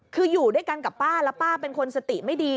คืออยู่ด้วยกันกับป้าแล้วป้าเป็นคนสติไม่ดี